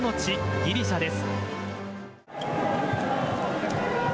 ギリシャです。